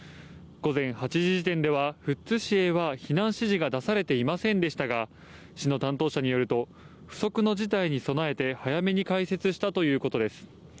午前８時時点では、富津市への避難指示が出されていませんでしたが、市の担当者によると、不測の事態に備えて早めに開設したということです。